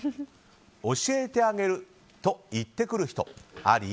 教えてあげる！と言ってくる人あり？